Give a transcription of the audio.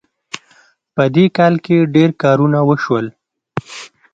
په دې کال کې ډېر کارونه وشول